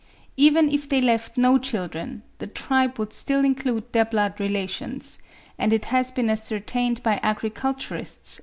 Even if they left no children, the tribe would still include their blood relations; and it has been ascertained by agriculturists (4.